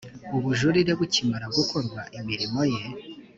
ubujurire bukimara gukorwa imirimo ye